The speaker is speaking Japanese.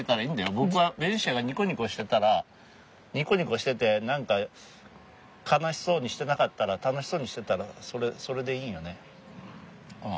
僕はベニシアがニコニコしてたらニコニコしてて何か悲しそうにしてなかったら楽しそうにしてたらそれでいいんよねうん。